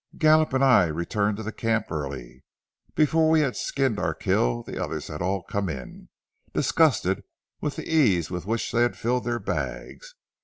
Gallup and I returned to camp early. Before we had skinned our kill the others had all come in, disgusted with the ease with which they had filled their bags.